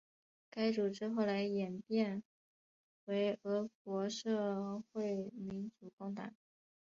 该组织后来演变为俄国社会民主工党。